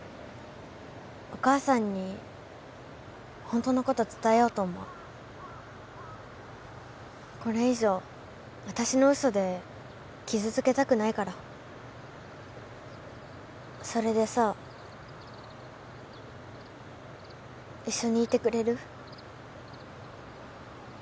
お母さんにホントのこと伝えようと思うこれ以上私の嘘で傷つけたくないからそれでさ一緒にいてくれる？